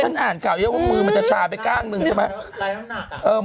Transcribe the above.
เพราะฉันอ่านเก่าเยอะว่ามือมันจะชากไปก้างนึงใช่ไหม